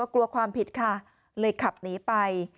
กลัวความผิดค่ะเลยขับหนีไป